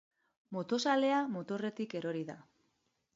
Motozalea motorretik erori da.